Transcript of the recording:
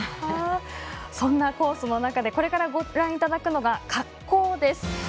そんなコースの中でこれからご覧いただくのが滑降です。